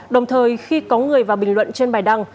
đồng thời khi có người vào bình luận trên bài đăng